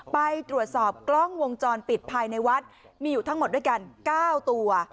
ไปตรวจสอบกล้องวงจรปิดภายในวัดมีอยู่ทั้งหมดด้วยกัน๙ตัว